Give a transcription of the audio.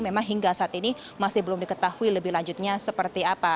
memang hingga saat ini masih belum diketahui lebih lanjutnya seperti apa